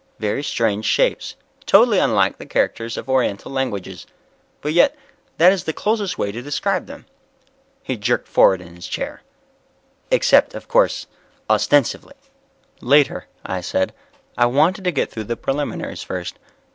Very strange shapes, totally unlike the characters of Oriental languages, but yet that is the closest way to describe them." He jerked forward in his chair, "Except, of course, ostensively." "Later," I said. I wanted to get through the preliminaries first.